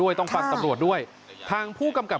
ส่งมาขอความช่วยเหลือจากเพื่อนครับ